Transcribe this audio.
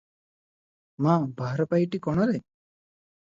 ମା - ବାହାର ପାଇଟି କଣ ରେ?